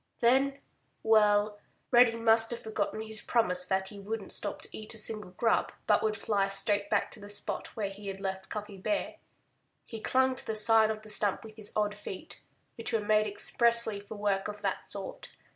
Then—well! Reddy must have forgotten his promise that he wouldn't stop to eat a single grub, but would fly straight back to the spot where he had left Cuffy Bear. He clung to the side of the stump with his odd feet, which were made expressly for work of that sort.